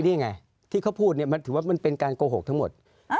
นี่ไงที่เขาพูดเนี่ยมันถือว่ามันเป็นการโกหกทั้งหมด